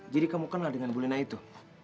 jadi kamu kenal dengan bu lina itu